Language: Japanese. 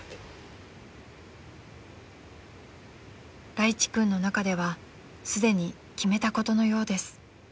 ［らいち君の中ではすでに決めたことのようです］